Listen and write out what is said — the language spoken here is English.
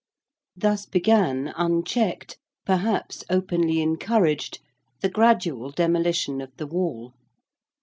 Thus began unchecked, perhaps openly encouraged, the gradual demolition of the Wall.